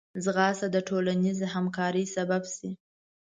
ځغاسته د ټولنیز همکارۍ سبب شي